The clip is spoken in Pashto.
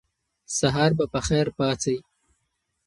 سهار به په خیر پاڅئ.